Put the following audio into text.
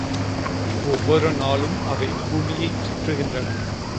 ஒவ்வொரு நாளும் அவை பூமியைச் சுற்றுகின்றன.